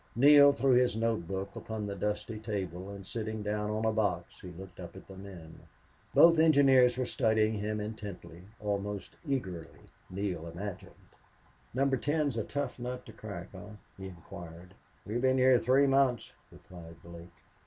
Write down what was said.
Neale threw his note book upon the dusty table and, sitting down on the box, he looked up at the men. Both engineers were studying him intently, almost eagerly, Neale imagined. "Number Ten's a tough nut to crack, eh?" he inquired. "We've been here three months," replied Blake.